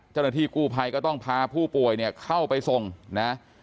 เจ้าหน้าที่กู้ภัยก็ต้องพาผู้ป่วยเนี่ยเข้าไปส่งนะ